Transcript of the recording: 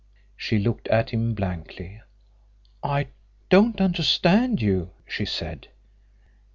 She looked at him blankly. "I don't understand you," she said.